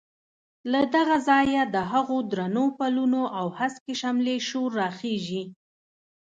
له دغه ځایه د هغو درنو پلونو او هسکې شملې شور راخېژي.